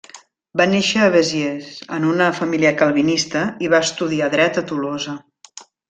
Va néixer a Besiers en una família calvinista i va estudiar dret a Tolosa.